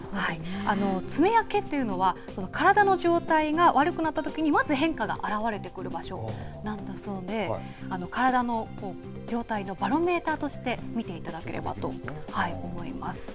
爪や毛というのは、体の状態が悪くなったときにまず変化が表れてくる場所なんだそうで、体の状態のバロメーターとして見ていただければと思います。